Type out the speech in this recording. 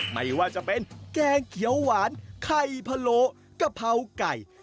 ไม่ว่าจะเป็นแกงเขียวหวานไข่พะโลกะเพราไก่